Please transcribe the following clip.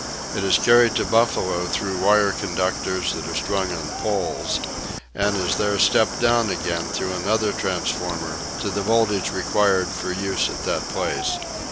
It is carried to Buffalo through wire conductors that are strung on poles, and is there "stepped down" again through another transformer to the voltage required for use at that place.